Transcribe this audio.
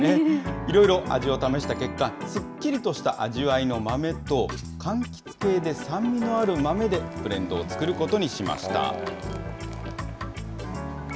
いろいろ味を試した結果、すっきりとした味わいの豆と、かんきつ系で酸味のある豆でブレンドを作ることにしました。